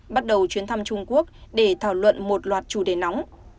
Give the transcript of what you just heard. bắt đầu chuyến thăm trung quốc để thảo luận một loạt chủ đề nóng